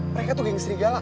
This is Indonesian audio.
mereka tuh geng serigala